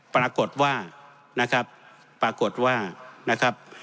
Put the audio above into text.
ปรากฏว่านะครับปรากฏว่านะครับ